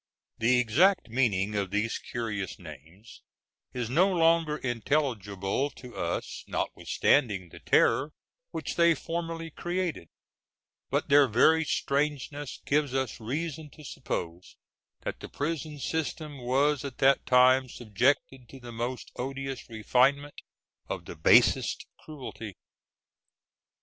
The exact meaning of these curious names is no longer intelligible to us, notwithstanding the terror which they formerly created, but their very strangeness gives us reason to suppose that the prison system was at that time subjected to the most odious refinement of the basest cruelty.